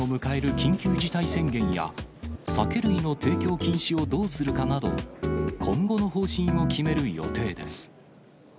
緊急事態宣言や、酒類の提供禁止をどうするかなど、今後の方針を決める予定です。